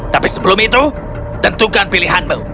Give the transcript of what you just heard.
tapi sebelum itu tentukan pilihanmu